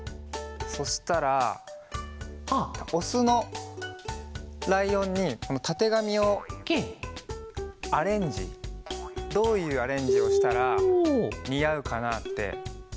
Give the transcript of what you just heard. そしたらオスのライオンにたてがみをアレンジどういうアレンジをしたらにあうかなってきいてもらおうかな。